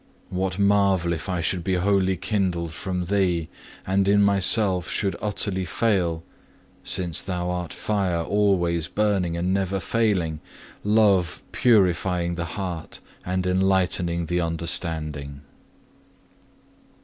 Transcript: What marvel if I should be wholly kindled from Thee, and in myself should utterly fail, since Thou art fire always burning and never failing, love purifying the heart and enlightening the understanding.